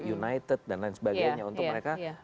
united dan lain sebagainya untuk mereka